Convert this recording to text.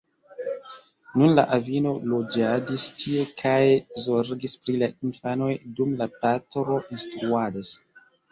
Nun la avino loĝadis tie kaj zorgis pri la infanoj, dum la patro instruadas.